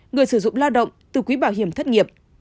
người sử dụng lao động từ quỹ bảo hiểm thất nghiệp